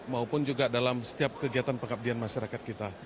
maupun juga dalam setiap kegiatan pengabdian masyarakat kita